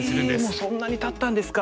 もうそんなにたったんですか。